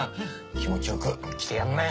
気持ちよく着てやんなよ。